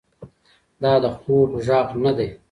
دا د خوب غږ نه دی.